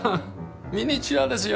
ミニチュアですよ。